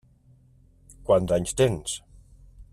Quants anys tens?